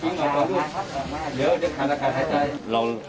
อื้อออค่ะ